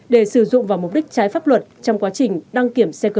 để sử dụng vào mục đích trái pháp luật trong quá trình đăng kiểm xe cơ giới